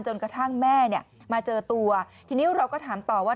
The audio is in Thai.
กระทั่งแม่เนี่ยมาเจอตัวทีนี้เราก็ถามต่อว่า